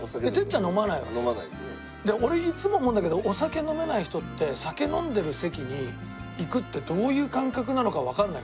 俺いつも思うんだけどお酒飲めない人って酒飲んでる席に行くってどういう感覚なのかわからない。